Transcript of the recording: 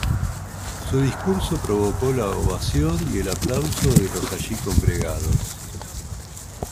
Su discurso provocó la ovación y el aplauso de los allí congregados.